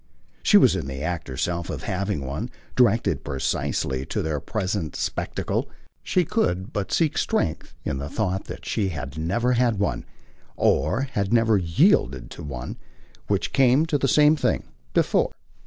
She was in the act herself of having one, directed precisely to their present spectacle. She could but seek strength in the thought that she had never had one or had never yielded to one, which came to the same thing before.